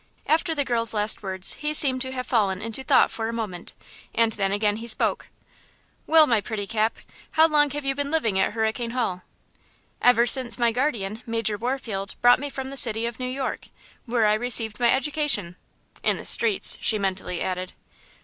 After the girl's last words he seemed to have fallen into thought for a moment, and then again he spoke: "Well, my pretty Cap, how long have you been living at Hurricane Hall?" "Ever since my guardian, Major Warfield, brought me from the City of New York, where I received my education (in the streets)," she mentally added.